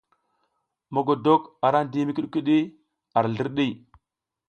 Mogodok a ra ndi mikudikudi ar zlirɗi.